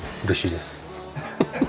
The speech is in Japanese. うれしいです。